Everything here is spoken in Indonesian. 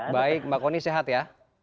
baik mbak koni sehat ya